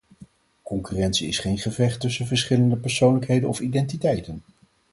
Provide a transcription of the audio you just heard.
Concurrentie is geen gevecht tussen verschillende persoonlijkheden of identiteiten.